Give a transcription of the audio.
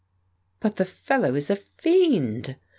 "But the fellow is a fiend